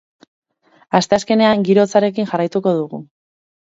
Asteazkenean giro hotzarekin jarraituko dugu.